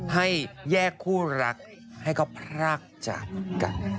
ให้แยกคู่รักให้เขาพรากจากกัน